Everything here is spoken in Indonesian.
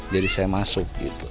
jadi saya masuk gitu